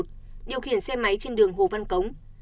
điều khiển xe máy trên đường hồ văn cống